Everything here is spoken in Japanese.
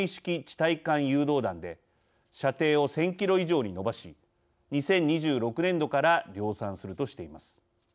対艦誘導弾で射程を１，０００キロ以上に伸ばし２０２６年度から量産するとしています。